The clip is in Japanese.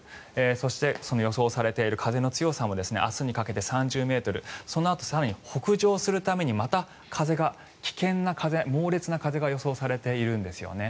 そして予想されている風の強さも明日にかけて３０ｍそのあと、更に北上するためにまた風が、危険な風猛烈な風が予想されているんですよね。